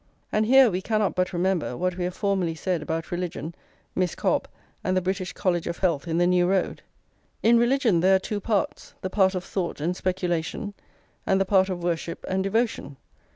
And here we cannot but remember what we have formerly said about religion, Miss Cobbe, and the British College of Health in the New Road. In religion there are two parts, the part of thought and speculation, and the part of worship and devotion.